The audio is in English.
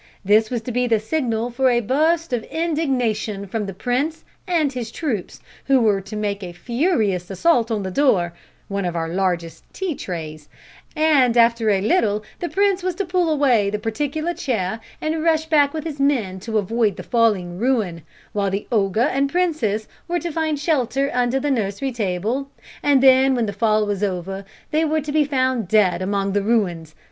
This was to be the signal for a burst of indignation from the prince and his troops, who were to make a furious assault on the door one of our largest tea trays and after a little the prince was to pull away the particular chair, and rush back with his men to avoid the falling ruin, while the ogre and princess were to find shelter under the nursery table, and then, when the fall was over, they were to be found dead among the ruins.